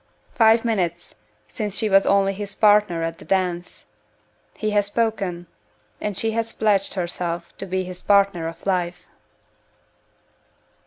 Five minutes since she was only his partner in the dance. He has spoken and she has pledged herself to be his partner for life!